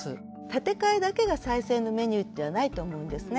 建て替えだけが再生のメニューじゃないと思うんですね。